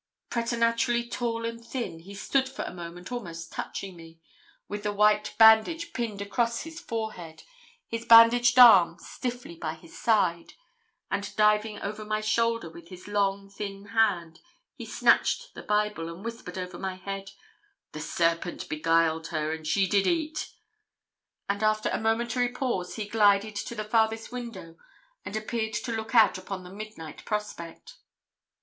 Preternaturally tall and thin, he stood for a moment almost touching me, with the white bandage pinned across his forehead, his bandaged arm stiffly by his side, and diving over my shoulder, with his long thin hand he snatched the Bible, and whispered over my head 'The serpent beguiled her and she did eat;' and after a momentary pause, he glided to the farthest window, and appeared to look out upon the midnight prospect.